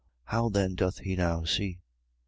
How then doth he now see? 9:20.